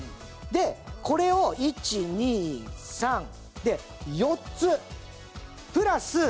これを１２３で４つプラス